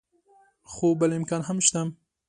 خو بل امکان هم شته.